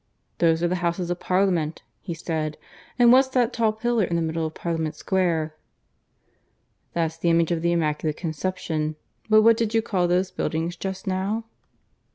"Those are the Houses of Parliament," he said. "And what's that tall pillar in the middle of Parliament Square?" "That's the image of the Immaculate Conception. But what did you call those buildings just now?"